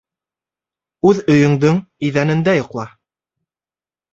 Үҙ өйөңдөң иҙәнендә йоҡла.